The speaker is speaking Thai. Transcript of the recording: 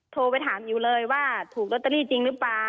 โทรไปถามอิ๋วเลยว่าถูกลอตเตอรี่จริงหรือเปล่า